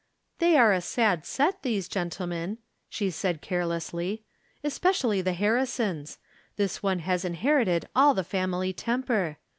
" They are a sad set, these gentlemen," she said, carelessly, " especially the Harrisons. Tliis one has inherited all the family temper.